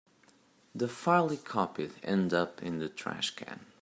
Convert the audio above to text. The file he copied ended up in the trash can.